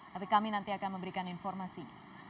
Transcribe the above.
tapi kami nanti akan memberikan informasi